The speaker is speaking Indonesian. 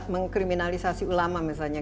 mengkriminalisasi ulama misalnya